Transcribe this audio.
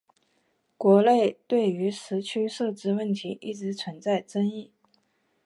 国内对于时区设置问题一直存在争议。